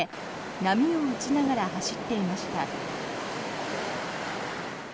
波を打ちながら走っていました。